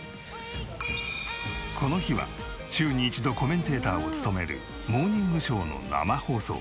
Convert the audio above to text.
この日は週に一度コメンテーターを務める『モーニングショー』の生放送。